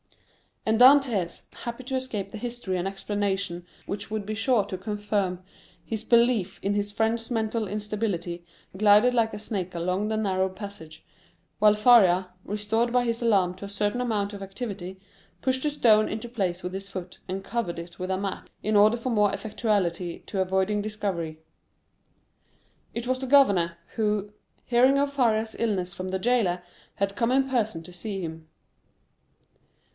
And Dantès, happy to escape the history and explanation which would be sure to confirm his belief in his friend's mental instability, glided like a snake along the narrow passage; while Faria, restored by his alarm to a certain amount of activity, pushed the stone into place with his foot, and covered it with a mat in order the more effectually to avoid discovery. It was the governor, who, hearing of Faria's illness from the jailer, had come in person to see him.